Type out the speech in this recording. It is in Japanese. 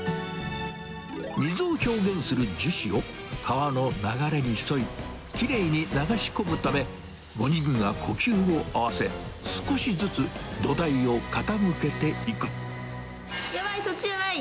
水を表現する樹脂を、川の流れに沿い、きれいに流し込むため、５人が呼吸を合わせ、やばい、そっちじゃない。